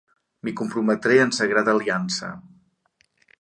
M'hi comprometré en sagrada aliança.